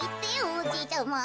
おじいちゃま。